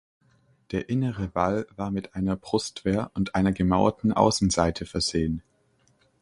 Der innere Wall war mit einer Brustwehr und einer gemauerten Außenseite versehen.